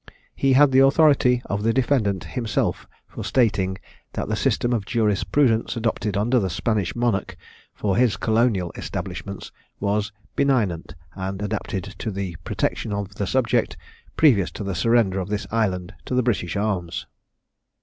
He had the authority of the defendant himself for stating, that the system of jurisprudence adopted under the Spanish monarch, for his colonial establishments, was benignant, and adapted to the protection of the subject, previous to the surrender of this island to the British arms.